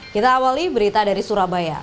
kita awali berita dari surabaya